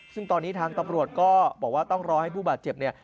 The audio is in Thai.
ซึ่งตอนนี้ทางตำรวจก็บอกว่าต้องรอให้ผู้บาดเจ็บเนี่ย